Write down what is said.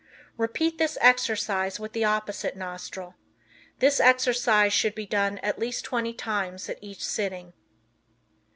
Repeat this exercise with the opposite nostril. This exercise should be done at least twenty times at each sitting.